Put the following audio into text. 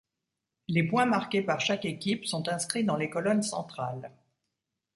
Les points marqués par chaque équipe sont inscrits dans les colonnes centrales.